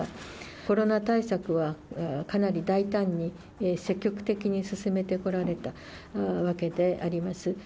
コロナ対策はかなり大胆に、積極的に進めてこられたわけであります。